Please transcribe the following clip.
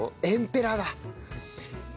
エンペラだ。